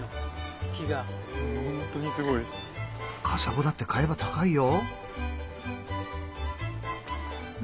カサゴだって買えば高いよ。